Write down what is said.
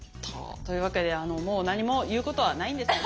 というわけでもう何も言うことはないんですね。